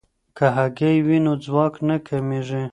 که هګۍ وي نو ځواک نه کمیږي.